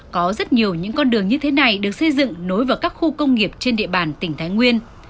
có rất nhiều những con đường như thế này được xây dựng nối vào các khu công nghiệp trên địa bàn tỉnh thái nguyên